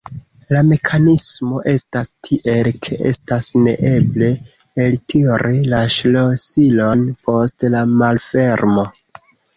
La mekanismo estas tiel, ke estas neeble eltiri la ŝlosilon post la malfermo.